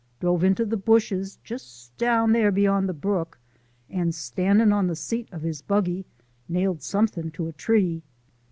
Drove into the bushes (just down there beyond the brook) and, standin' on the seat of his buggy, nailed something to a tree.